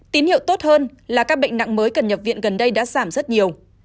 tín hiệu tốt hơn là các bệnh nặng mới cần nhập viện gần đây đã giảm rất nhiều